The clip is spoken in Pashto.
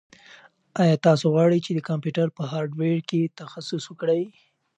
ایا تاسو غواړئ چې د کمپیوټر په هارډویر کې تخصص وکړئ؟